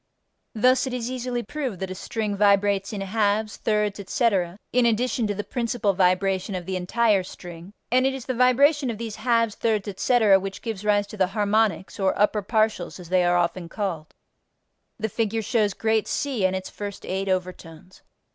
Thus it is easily proved that a string vibrates in halves, thirds, etc., in addition to the principal vibration of the entire string, and it is the vibration of these halves, thirds, etc., which gives rise to the harmonics, or upper partials as they are often called. The figure shows Great C and its first eight overtones.